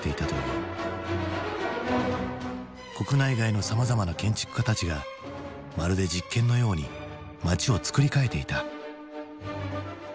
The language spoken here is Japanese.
国内外のさまざまな建築家たちがまるで実験のように街をつくり替えていた。